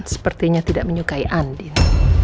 sepertinya tidak menyukai andin